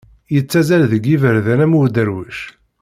Yettazzal deg yiberdan am uderwic.